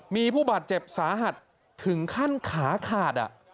มีผู้บาดเจ็บสาหัสถึงขั้นขาขาด